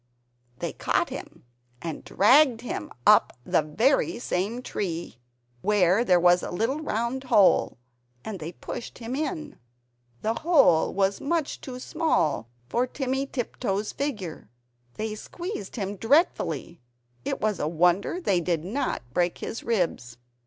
They caught him and dragged him up the very same tree, where there was the little round hole, and they pushed him in. The hole was much too small for Timmy Tiptoes' figure. They squeezed him dreadfully, it was a wonder they did not break his ribs.